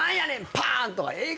パーン！とかええ